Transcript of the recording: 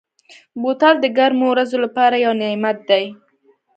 بوتل د ګرمو ورځو لپاره یو نعمت دی.